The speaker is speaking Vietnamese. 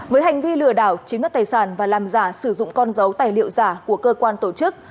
với hành vi lừa đảo chiếm đất tài sản và làm giả sử dụng con dấu tài liệu giả của cơ quan tổ chức